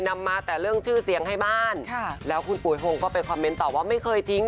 นำมาแต่เรื่องชื่อเสียงให้บ้านค่ะแล้วคุณปุ๋ยโฮงก็ไปคอมเมนต์ตอบว่าไม่เคยทิ้ง